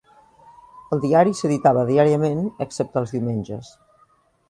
El diari s'editava diàriament excepte els diumenges.